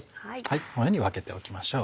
このように分けておきましょう。